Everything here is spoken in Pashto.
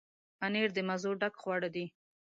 پنېر د مزو ډک خواړه دي.